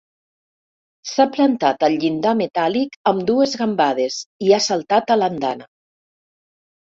S'ha plantat al llindar metàl·lic amb dues gambades i ha saltat a l'andana.